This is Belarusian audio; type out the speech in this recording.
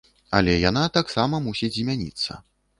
Але яна таксама мусіць змяніцца.